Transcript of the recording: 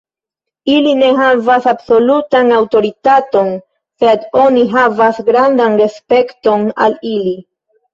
Ili ne havas absolutan aŭtoritaton, sed oni havas grandan respekton al ili.